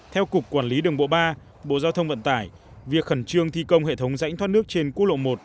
theo cục quản lý đường bộ ba bộ giao thông vận tải việc khẩn trương thi công hệ thống rãnh thoát nước trên quốc lộ một